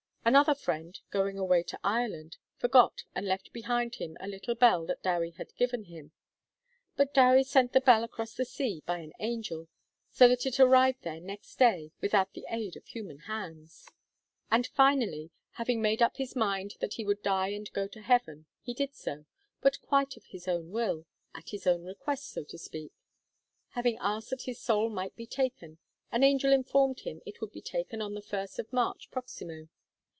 Another friend, going away to Ireland, forgot and left behind him a little bell that Dewi had given him; but Dewi sent the bell across the sea by an angel, so that it arrived there next day without the aid of human hands. And finally, having made up his mind that he would die and go to heaven, he did so but quite of his own will at his own request, so to speak. Having asked that his soul might be taken, an angel informed him it would be taken on the first of March proximo.